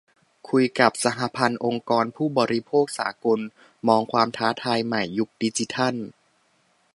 คุยกับ 'สหพันธ์องค์กรผู้บริโภคสากล' มองความท้าทายใหม่ยุคดิจิทัล